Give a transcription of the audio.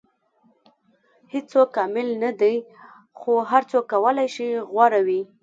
• هیڅوک کامل نه دی، خو هر څوک کولی شي غوره وي.